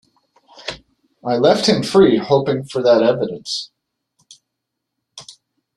I left him free, hoping for that evidence.